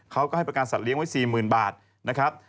เขาก็ให้ประกันสัตว์เลี้ยไว้๔๐๐๐บาทนะครับ